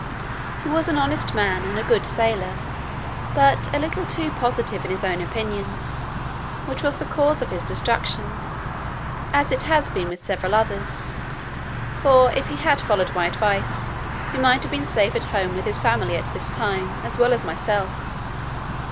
He was an honest man, and a good sailor, but a little too positive in his own opinions, which was the cause of his destruction, as it has been with several others; for if he had followed my advice, he might have been safe at home with his family at this time, as well as myself.